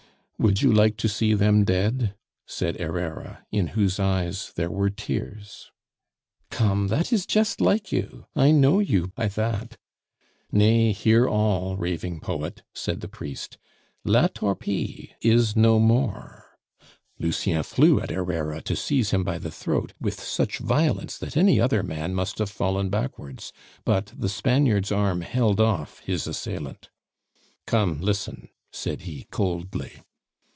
"Would you like to see them dead?" said Herrera, in whose eyes there were tears. "Come, that is just like you! I know you by that " "Nay, hear all, raving poet," said the priest. "La Torpille is no more." Lucien flew at Herrera to seize him by the throat, with such violence that any other man must have fallen backwards; but the Spaniard's arm held off his assailant. "Come, listen," said he coldly.